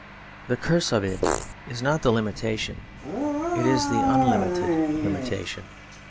The curse of it is not limitation; it is unlimited limitation.